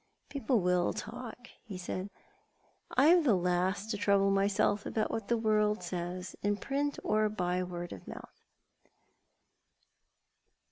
"People will talk," he said. "I am the last to trouble myself about what the world says, in print, or by word of mouth."